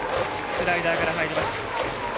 スライダーから入りました。